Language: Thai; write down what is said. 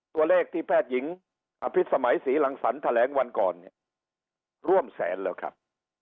ตัวเลขที่แพทย์หญิงอภิษมัยศรีรังสรรคแถลงวันก่อนเนี่ยร่วมแสนแล้วครับ